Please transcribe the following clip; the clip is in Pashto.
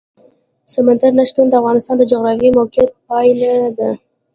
سمندر نه شتون د افغانستان د جغرافیایي موقیعت پایله ده.